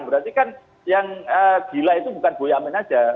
berarti kan yang gila itu bukan boyamin aja